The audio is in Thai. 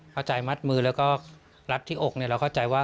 เข้าใจมัดมือแล้วก็รัดที่อกเราเข้าใจว่า